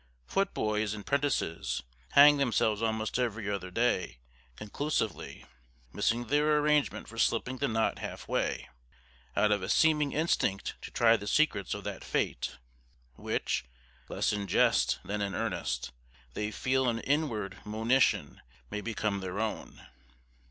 Footboys and prentices hang themselves almost every other day, conclusively missing their arrangement for slipping the knot half way out of a seeming instinct to try the secrets of that fate, which less in jest than in earnest they feel an inward monition may become their own.